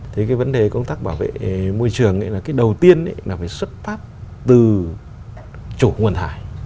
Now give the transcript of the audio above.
thế cái vấn đề công tác bảo vệ môi trường là cái đầu tiên là phải xuất phát từ chủ nguồn thải